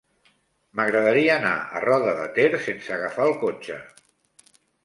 M'agradaria anar a Roda de Ter sense agafar el cotxe.